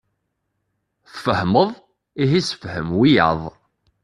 Tfehmeḍ! Ihi ssefhem wiyaḍ.